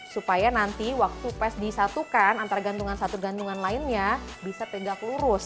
supaya nanti waktu pes disatukan antara gantungan satu gantungan lainnya bisa tegak lurus